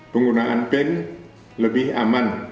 penggunaan pen lebih aman